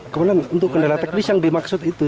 kemudian untuk kendala teknis yang dimaksud itu